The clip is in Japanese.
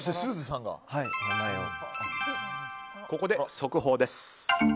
ここで速報です。